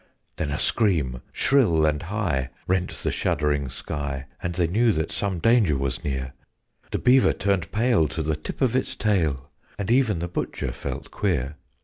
Then a scream, shrill and high, rent the shuddering sky, And they knew that some danger was near: The Beaver turned pale to the tip of its tail, And even the Butcher felt queer.